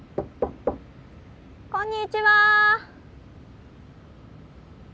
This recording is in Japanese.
こんにちは。